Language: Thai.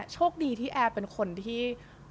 โชคดีที่แอร์เป็นคนที่